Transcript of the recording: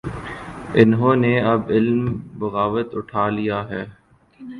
انہوں نے اب علم بغاوت اٹھا لیا ہے۔